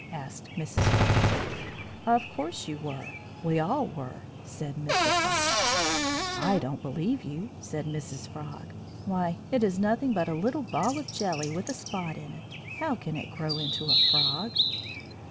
asked Mrs. Frog. "Of course you were. We all were," said Mr. Frog. "I don't believe you," said Mrs. Frog. "Why, it is nothing but a little ball of jelly with a spot in it. How can it grow into a frog?"